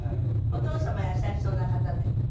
お父様は優しそうな方ですね。